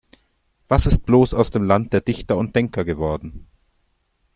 Was ist bloß aus dem Land der Dichter und Denker geworden?